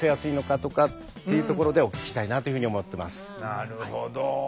なるほど。